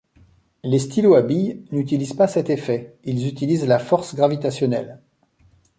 Les stylos à bille n'utilisent pas cet effet, ils utilisent la force gravitationnelle.